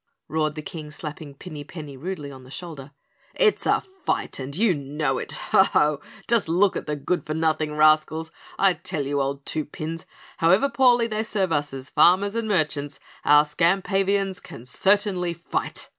roared the King, slapping Pinny Penny rudely on the shoulder. "It's a fight, and you know it! Ho, ho! Just look at the good for nothing rascals. I tell you, old Two Pins, however poorly they serve us as farmers and merchants, our Skampavians can certainly fight.